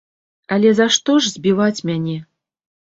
Але за што ж збіваць мяне?